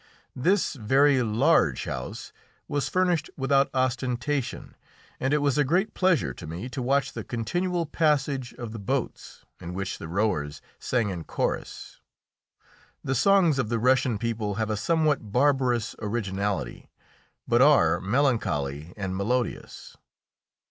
This very large house was furnished without ostentation, and it was a great pleasure to me to watch the continual passage of the boats, in which the rowers sang in chorus. The songs of the Russian people have a somewhat barbarous originality, but are melancholy and melodious.